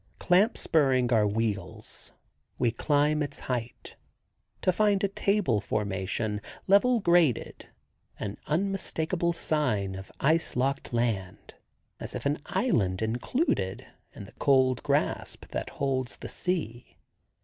Clamp spurring our wheels we climb its height, to find a table formation, level graded, an unmistakable sign of ice locked land, as if an island included in the cold grasp that holds the sea.